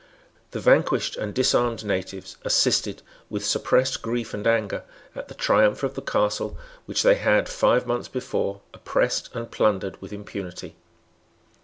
The vanquished and disarmed natives assisted, with suppressed grief and anger, at the triumph of the caste which they had, five months before, oppressed and plundered with impunity.